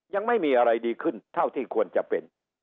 ยังไม่มีอะไรดีขึ้นเท่าที่ควรจะเป็น